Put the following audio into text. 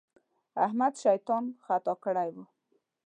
احمد شيطان خطا کړی وو.